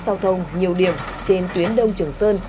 giao thông nhiều điểm trên tuyến đông trường sơn